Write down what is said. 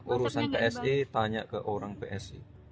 urusan psi tanya ke orang psi